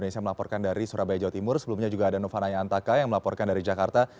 surabaya jawa timur sebelumnya juga ada novanaya antaka yang melaporkan dari jakarta